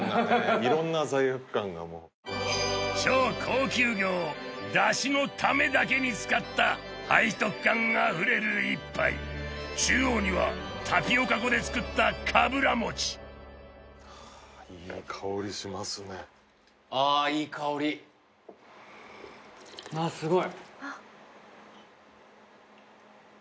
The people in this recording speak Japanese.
いろんな罪悪感がもう超高級魚をダシのためだけに使った背徳感あふれる一杯中央にはタピオカ粉で作ったかぶらもちああいい香りしますねああいい香りああすごい！